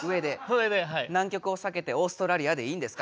南極をさけてオーストラリアでいいんですか？